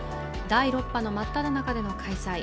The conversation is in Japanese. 第６波のまっただ中での開催。